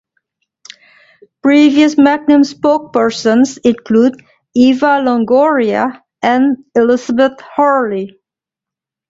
Previous Magnum spokespersons include Eva Longoria and Elizabeth Hurley.